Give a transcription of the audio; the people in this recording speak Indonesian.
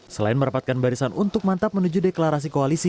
selain merapatkan barisan untuk mantap menuju deklarasi koalisi